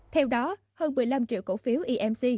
theo đó hơn một mươi năm triệu cổ phiếu emc